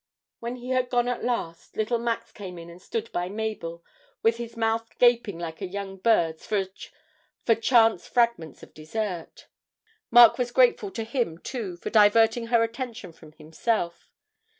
When he had gone at last little Max came in and stood by Mabel, with his mouth gaping like a young bird's for chance fragments of dessert. Mark was grateful to him, too, for diverting her attention from himself.